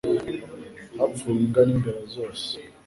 Hapfuye imbwa n'imbeba zose